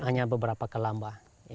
hanya beberapa kalamba